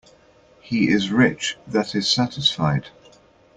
He is rich that is satisfied.